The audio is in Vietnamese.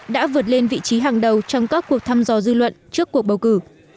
đã vượt lên vị trí hàng đầu trong các cuộc thăm dò dư luận trước cuộc bầu cử